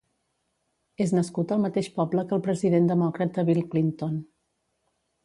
És nascut al mateix poble que el president demòcrata Bill Clinton.